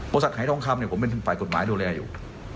บริษัทหายท้องคำผมเป็นฝ่ายกฎหมายดูแลอยู่